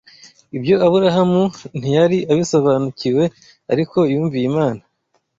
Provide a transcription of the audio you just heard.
Ibyo Aburahamu ntiyari abisobanukiwe ariko yumviye Imana